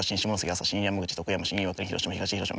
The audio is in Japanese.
厚狭新山口徳山新岩国広島東広島